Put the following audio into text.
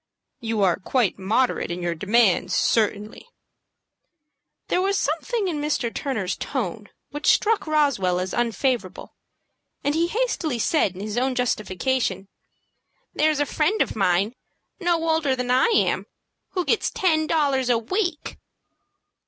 "You are quite moderate in your demands, certainly." There was something in Mr. Turner's tone which struck Roswell as unfavorable, and he hastily said in his own justification: "There's a friend of mine, no older than I am, who gets ten dollars a week."